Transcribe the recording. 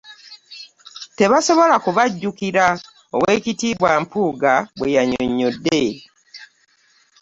Tebasobola kubajjukira.” Oweekitiibwa Mpuuga bwe yannyonnyodde.